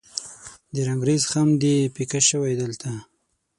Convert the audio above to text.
د رنګریز خم دې پیکه شوی دلته